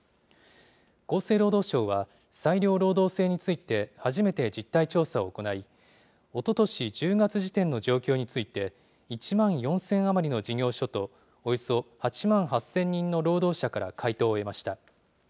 厚生労働省は、裁量労働制について、初めて実態調査を行い、おととし１０月時点の状況について、１万４０００余りの事業所と、およそ８万８０００人の労働者から回答を得ました。